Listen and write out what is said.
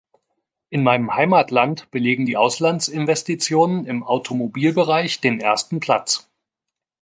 In meinem Heimatland belegen die Auslandsinvestitionen im Automobilbereich den ersten Platz.